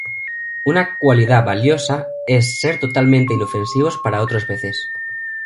Una cualidad valiosa es ser totalmente inofensivos para otros peces.